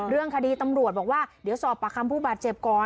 เรื่องคดีตำรวจบอกว่าเดี๋ยวสอบปากคำผู้บาดเจ็บก่อน